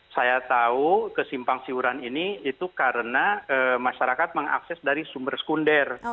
saya tahu kesimpang siuran ini itu karena masyarakat mengakses dari sumber sekunder